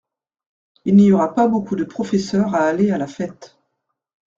Il n’y aura pas beaucoup de professeurs à aller à la fête.